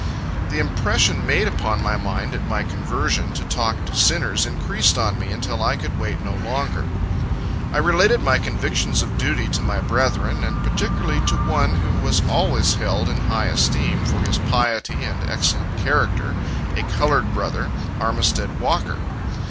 The impression made upon my mind at my conversion, to talk to sinners, increased on me, until I could wait no longer. I related my convictions of duty to my brethren, and particularly to one who was always held in high esteem for his piety and excellent character a colored brother, Armistead Walker.